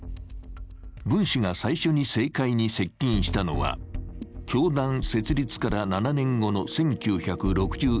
文氏が最初に政界に接近したのは教団設立から７年後の１９６１年。